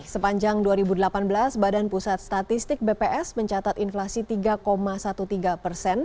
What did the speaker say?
sepanjang dua ribu delapan belas badan pusat statistik bps mencatat inflasi tiga tiga belas persen